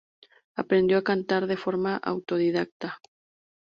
Aprendió a cantar de forma autodidacta.